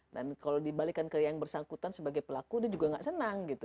dan kalau di balikan ke yang bersangkutan sebagai pelaku dia juga gak senang gitu